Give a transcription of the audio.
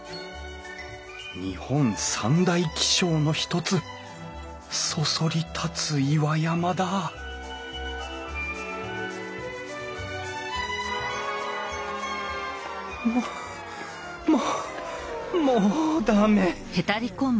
日本三大奇勝の１つそそり立つ岩山だももう駄目。